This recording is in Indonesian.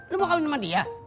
lu mau kawin sama dia